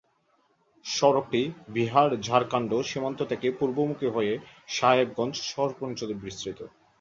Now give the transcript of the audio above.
সড়কটি বিহার-ঝাড়খণ্ড সীমান্ত থেকে পূর্বমুখী হয়ে সাহেবগঞ্জ শহর পর্যন্ত বিস্তৃত।